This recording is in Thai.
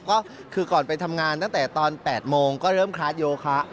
ก็คือก่อนไปทำงานตั้งแต่ตอน๘โมงก็เริ่มคลาสโยคะ